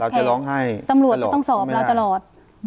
เราต้องรับแขกตำรวจจะต้องสอบเราตลอด